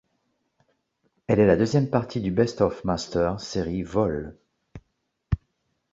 Elle est la deuxième partie du Best of Master série Vol.